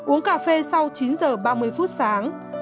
uống cà phê sau chín giờ ba mươi phút sáng